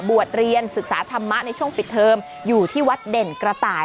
เรียนศึกษาธรรมะในช่วงปิดเทอมอยู่ที่วัดเด่นกระต่าย